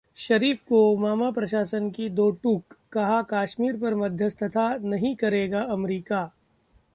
शरीफ को ओबामा प्रशासन की दो टूक, कहा- कश्मीर पर मध्यस्थता नहीं करेगा अमेरिका